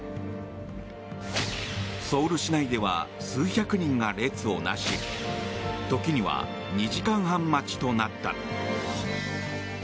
ソウル市内では数百人が列をなし時には２時間半待ちとなった。